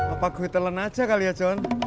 apa gue telan aja kali ya john